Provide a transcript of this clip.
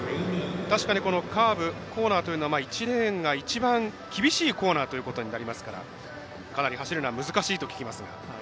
確かにカーブコーナーというのは１レーンが一番厳しいコーナーということになりますからかなり走るのは難しいと聞きますが。